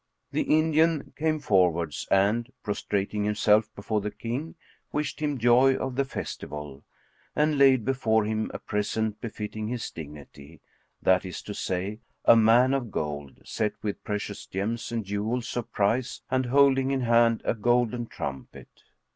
The Indian came forwards and, prostrating himself before the King, wished him joy of the festival and laid before him a present befitting his dignity; that is to say, a man of gold, set with precious gems and jewels of price and hending in hand a golden trumpet.